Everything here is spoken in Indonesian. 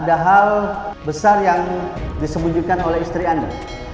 ada hal besar yang disembunyikan oleh istri anda